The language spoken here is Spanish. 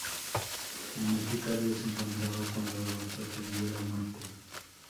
En este cargo se encontraba cuando lo sorprendió la muerte.